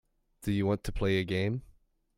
Do you want to play a game.